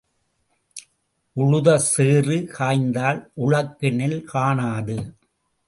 உழுத சேறு காய்ந்தால் உழக்கு நெல் காணாது.